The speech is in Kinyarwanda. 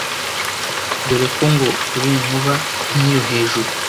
Dore ko ngo uri inkuba nk’iyo hejuru